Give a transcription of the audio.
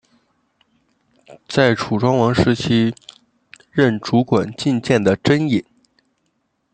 在楚庄王时期任主管进谏的箴尹。